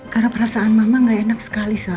karena perasaan mama gak enak sekali sa